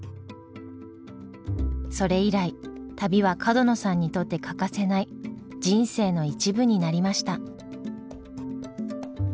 それ以来旅は角野さんにとって欠かせない人生の一部になりました。